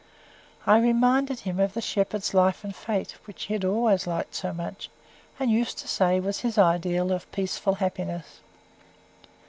I reminded him of the "Shepherd's life and fate," which he always liked so much, and used to say was his ideal of peaceful happiness.